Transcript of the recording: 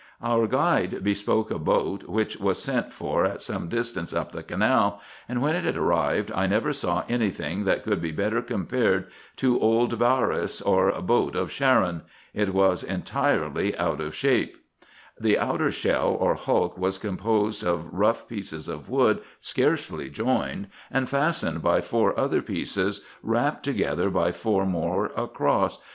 Our guide bespoke a boat, which was sent for at some distance up the canal, and when it arrived I never saw any thing that could be better compared to old Baris*, or boat of Charon : it was entirely out of shape. The outer shell or hulk was composed of rough pieces of wood scarcely joined, and fastened by four other pieces, wrapped together by four more across, * The boat in which the Egyptians carried their dead to the grave.